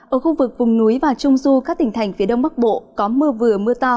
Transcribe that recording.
ở khu vực vùng núi và trung du các tỉnh thành phía đông bắc bộ có mưa vừa mưa to